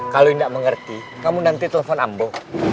kalau tidak mengerti kamu nanti telepon ambo